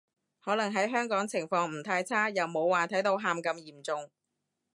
可能喺香港情況唔太差，又冇話睇到喊咁嚴重